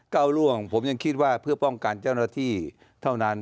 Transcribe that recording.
ก้าวร่วงผมยังคิดว่าเพื่อป้องกันเจ้าหน้าที่เท่านั้น